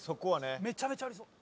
めちゃめちゃありそう。